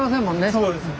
そうですね。